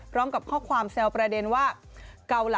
พร้อมกับข้อความแซวประเด็นว่า